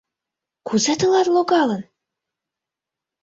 — Кузе тылат логалын?